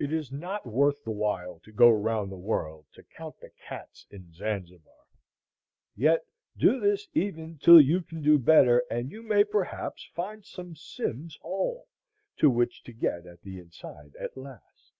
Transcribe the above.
It is not worth the while to go round the world to count the cats in Zanzibar. Yet do this even till you can do better, and you may perhaps find some "Symmes' Hole" by which to get at the inside at last.